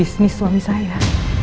relaksi bisnis suami saya